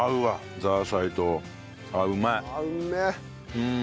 うん！